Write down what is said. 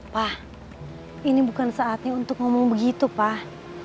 wah ini bukan saatnya untuk ngomong begitu pak